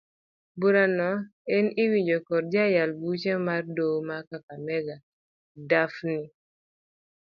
Burano en iwinjo kod jayal buche mar doho ma kakamega Daphne.